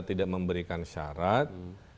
tidak memberikan syarat